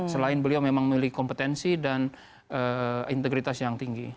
selain beliau memang memiliki kompetensi dan integritas yang tinggi